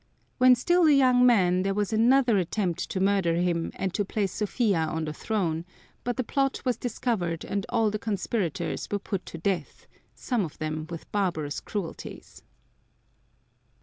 When still a young man there was another attempt to murder him, and to place Sophia on the throne, but the plot was discovered and all the conspirators were put to death, some of them with barbarous cruelties.